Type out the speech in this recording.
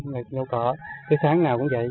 rồi nhấu cỏ tới sáng nào cũng vậy